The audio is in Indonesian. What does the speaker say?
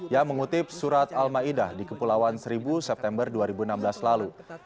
yang mengutip surat al ma'idah di kepulauan seribu september dua ribu enam belas lalu